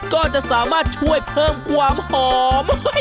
ก็จะสามารถช่วยเพิ่มความหอม